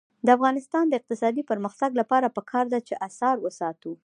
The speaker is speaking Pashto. د افغانستان د اقتصادي پرمختګ لپاره پکار ده چې اثار وساتو.